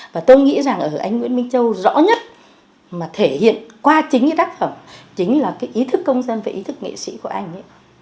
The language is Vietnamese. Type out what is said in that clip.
và tôi nghĩ rằng ở anh nguyễn minh châu rõ nhất mà thể hiện qua chính cái tác phẩm chính là cái ý thức công dân và ý thức nghệ sĩ của anh ấy